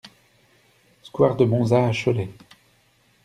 Square de Monza à Cholet